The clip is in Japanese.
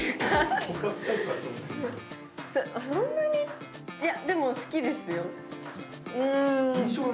そんなにいやでも好きですよ。